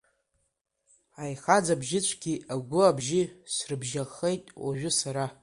Аихаӡа бжьыцәгьеи, агәы абжьи, срыбжьахеит уажәы сара.